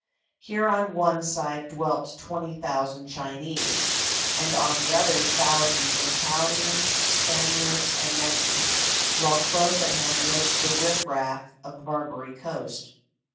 Here on one side dwelt 20,000 Chinese, and on the other thousands of Italians, Spaniards and Mexicans, while close at hand lived the riff raff of the "Barbary Coast."